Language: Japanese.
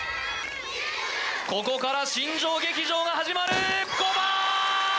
ここから新庄劇場が始まる５番！